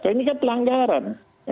ini kan pelanggaran